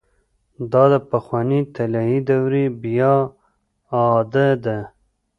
دا د پخوانۍ طلايي دورې بيا اعاده ده.